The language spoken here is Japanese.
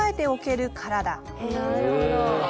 なるほど。